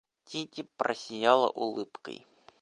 Кити просияла улыбкой.